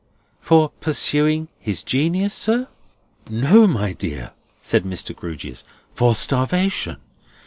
"For pursuing his genius, sir?" "No, my dear," said Mr. Grewgious, "for starvation.